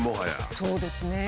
そうですね。